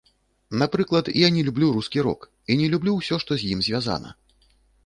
Напрыклад, я не люблю рускі рок і не люблю ўсё, што з ім звязана.